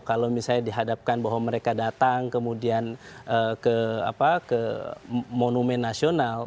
kalau misalnya dihadapkan bahwa mereka datang kemudian ke monumen nasional